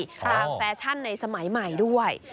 แฟชั่นในสมัยใหม่ด้วย